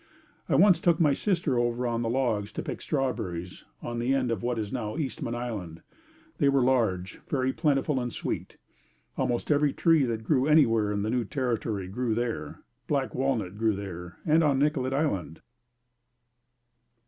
I once took my sister over on the logs to pick strawberries on the end of what is now Eastman Island. They were large, very plentiful and sweet. Almost every tree that grew anywhere in the new territory grew there. Black walnut grew there and on Nicollet Island.